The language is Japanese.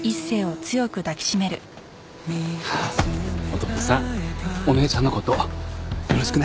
弟さんお姉ちゃんの事よろしくね。